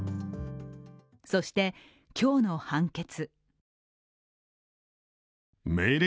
そして、今日の判決。